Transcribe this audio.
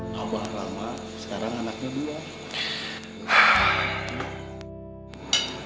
nabah lama sekarang anaknya dua